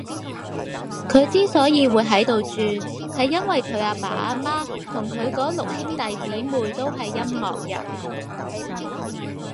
佢之所以會喺度住，係因為佢阿爸阿媽同佢個六兄弟姐妹都係音樂人